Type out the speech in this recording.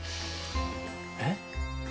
えっ？